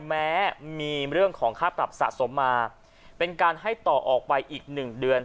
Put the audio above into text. แม้มีเรื่องของค่าปรับสะสมมาเป็นการให้ต่อออกไปอีกหนึ่งเดือน